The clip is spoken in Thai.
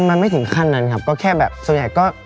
มันไม่ถึงขั้นนั้นครับก็แค่แบบส่วนใหญ่ก็